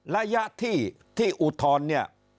ระยะที่อุทธรณ์เนี่ย